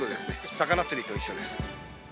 魚釣りと一緒です。